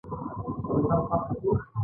یو دېرشم سوال د پروګرام په اړه دی.